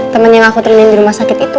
temen yang aku terima di rumah sakit itu